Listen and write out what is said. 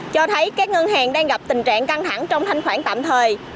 cho thấy các ngân hàng đang gặp tình trạng căng thẳng trong thanh khoản tạm thời